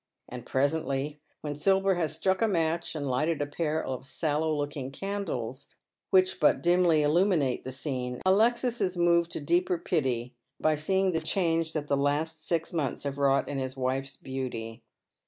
And presently, when Sibyl has struck a match and lighted a pair of sallow looking candles, which but dimly illuminate the scene, Alexis is mova4 326 Dead Menh SJioet. to deeper pity by seeing the change that the last six monthn aave wrought in his wife's beauty.